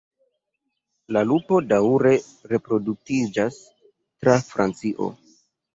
La lupo daŭre reproduktiĝas tra Francio.